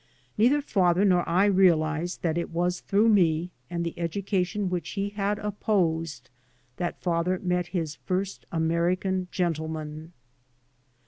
Neither father nor I realised that it was through me, and the education which he had opposed, that father met his lirst American gentleman.